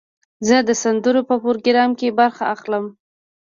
زه د سندرو په پروګرام کې برخه اخلم.